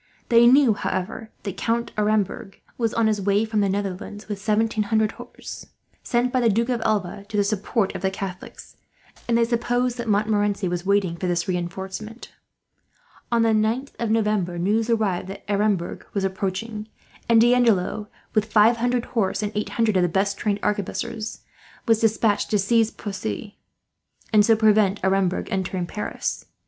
They knew, however, that Count Aremberg was on his way from the Netherlands, with seventeen hundred horse, sent by the Duke of Alva to the support of the Catholics; and they supposed that Montmorency was waiting for this reinforcement. On the 9th of November news arrived that Aremberg was approaching, and D'Andelot, with five hundred horse and eight hundred of the best trained arquebusiers, was despatched to seize Poissy, and so prevent Aremberg entering Paris.